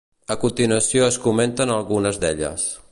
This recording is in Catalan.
A continuació es comenten algunes d'elles.